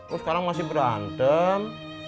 oh sekarang masih berantem